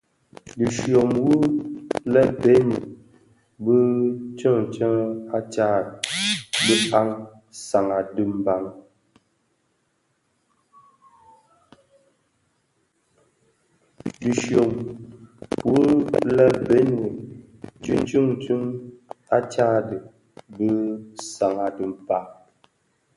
Dhi nshyom wu le Benue bè tsuňtsuň a Tchad bi an san a dimbag.